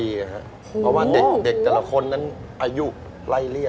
เพราะว่าเด็กแต่ละคนนั้นอายุไล่เลี่ย